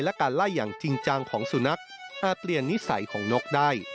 และการไล่อย่างจริงจังของสุนัขอาจเปลี่ยนนิสัยของนกได้